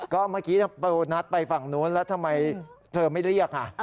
ก็เมื่อกี้โดนัทไปฝั่งโน้นแล้วทำไมเธอไม่เรียกอ่ะ